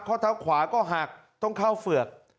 ข้อเท้าขวาก็หักต้องเข้าเฝือก